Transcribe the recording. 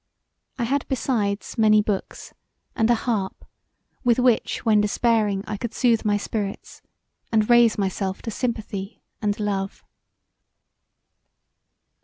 I had besides many books and a harp with which when despairing I could soothe my spirits, and raise myself to sympathy and love.